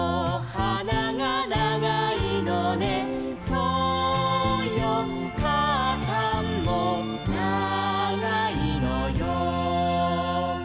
「そうよかあさんもながいのよ」